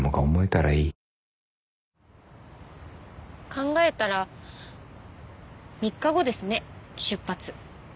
考えたら３日後ですね出発。